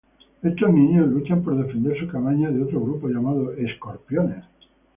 Estos niños luchan por defender su cabaña de otro grupo llamado "escorpiones".